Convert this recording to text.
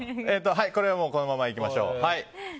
これは、このままいきましょう。